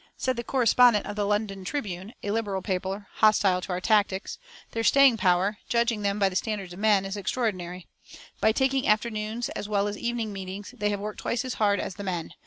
Said the correspondent of the London Tribune, a Liberal paper hostile to our tactics: "Their staying power, judging them by the standards of men, is extraordinary. By taking afternoon as well as evening meetings, they have worked twice as hard as the men.